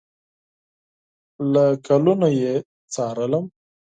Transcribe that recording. له کلونو یې څارلم